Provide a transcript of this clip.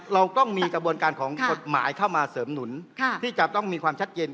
เราต้องมีกระบวนการของกฎหมายเข้ามาเสริมหนุนที่จะต้องมีความชัดเจน